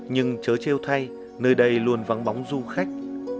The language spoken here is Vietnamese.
nhưng chớ treo thay nơi đây luôn vắng bóng du khách